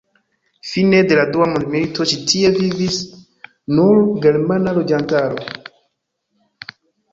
Fine de la dua mondmilito ĉi tie vivis nur germana loĝantaro.